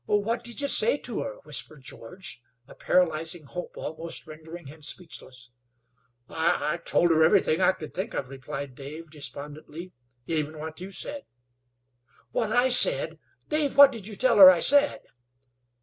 "What did you say to her?" whispered George, a paralyzing hope almost rendering him speechless. "I I told her everything I could think of," replied Dave, despondently; "even what you said." "What I said? Dave, what did you tell her I said?"